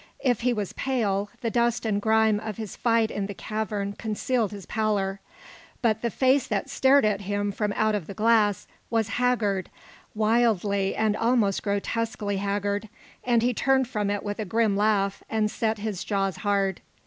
If he was pale, the dust and grime of his fight in the cavern concealed his pallor. But the face that stared at him from out of the glass was haggard, wildly and almost grotesquely haggard, and he turned from it with a grim laugh, and set his jaws hard.